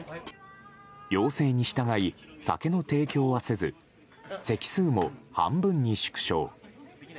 要請に従い、酒の提供はせず席数も半分に縮小。